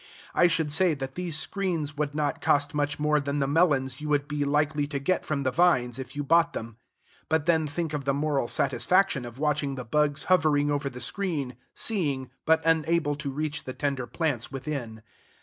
I should say that these screens would not cost much more than the melons you would be likely to get from the vines if you bought them; but then think of the moral satisfaction of watching the bugs hovering over the screen, seeing, but unable to reach the tender plants within.